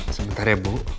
sebentar ya bu